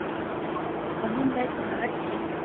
قانون باید مراعات شي